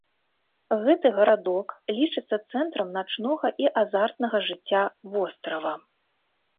Гэты гарадок лічыцца цэнтрам начнога і азартнага жыцця вострава.